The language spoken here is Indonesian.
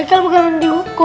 ika bukan dihukum